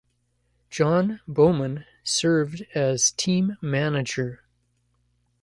John Boman served as team manager.